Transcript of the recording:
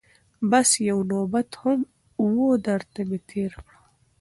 بس یو نوبت وو درته مي تېر کړ